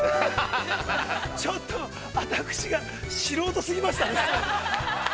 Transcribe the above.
◆ちょっと、私が素人すぎましたね。